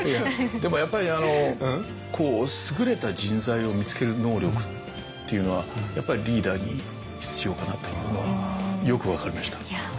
でもやっぱり優れた人材を見つける能力っていうのはやっぱりリーダーに必要かなというのはよく分かりました。